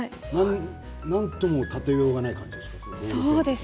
なんとも例えようがない感じですか？